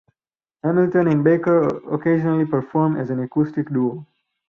Hamilton and Baker occasionally perform as an acoustic duo.